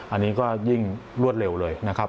อันนี้ก็ยิ่งรวดเร็วเลยนะครับ